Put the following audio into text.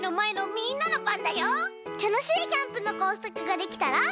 たのしいキャンプのこうさくができたら。